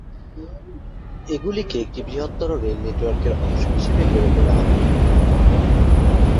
এগুলিকে একটি বৃহত্তর রেল নেটওয়ার্কের অংশ হিসেবে গড়ে তোলা হবে।